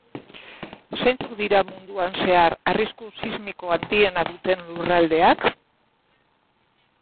Zeintzuk dira munduan zehar arrisku sismiko handiena duten lurraldeak?